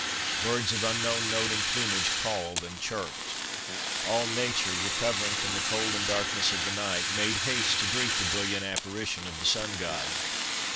Birds of unknown note and plumage called and chirped. All Nature, recovering from the cold and darkness of the night, made haste to greet the brilliant apparition of the sun god.